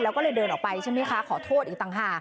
แล้วก็เลยเดินออกไปใช่ไหมคะขอโทษอีกต่างหาก